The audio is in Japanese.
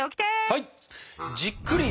はい！